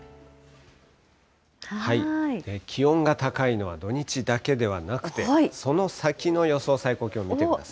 気温が高いのは土日だけではなくて、その先の予想最高気温見てください。